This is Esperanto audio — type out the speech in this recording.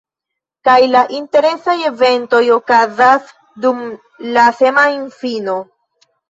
Kaj la interesaj eventoj okazas dum la semajnfino